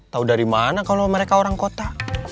tau dari mana kalo mereka orang kota